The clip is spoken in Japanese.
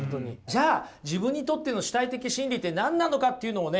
じゃあ自分にとっての主体的真理って何なのかっていうのをね